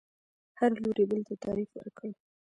هر لوري بل ته تعریف ورکړ